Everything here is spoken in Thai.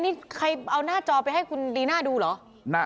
นี่ใครเอาหน้าจอไปให้คุณลีน่าดูเหรอ